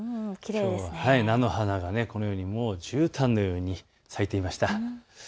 きょうは菜の花がこのようにもうじゅうたんのように咲いていました。